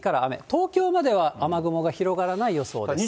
東京までは雨雲が広がらない予想です。